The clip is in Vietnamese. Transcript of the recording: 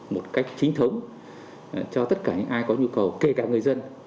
một cách chính thống cho tất cả những ai có nhu cầu kể cả người dân